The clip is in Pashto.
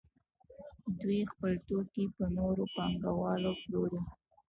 دوی خپل توکي په نورو پانګوالو پلوري